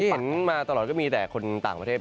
เห็นมาตลอดก็มีแต่คนต่างประเทศ